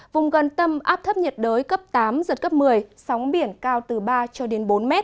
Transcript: vùng gần tâm áp thấp nhiệt đới cấp tám giật cấp một mươi sóng biển cao từ ba bốn m